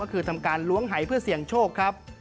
ก็คือทำการล้วงหายเพื่อเสี่ยงโชคครับ